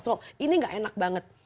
so ini gak enak banget